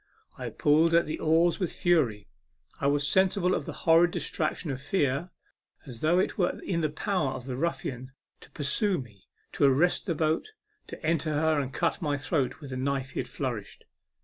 I pulled at the oars with fury ; I was sensible of a horrid distraction of fear, as though it were in the power of the ruffian to pursue me, to arrest the boat, to enter her and cut my throat with the knife he had flourished.